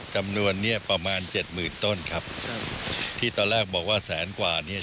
จำนวนเนี้ยประมาณเจ็ดหมื่นต้นครับที่ตอนแรกบอกว่าแสนกว่าเนี่ย